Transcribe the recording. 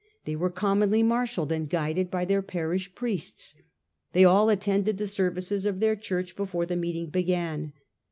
They were commonly marshalled and guided hy their parish priests. They all attended the services of their Church before the meeting began.